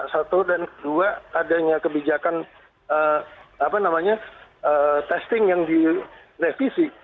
satu dan kedua adanya kebijakan testing yang direvisi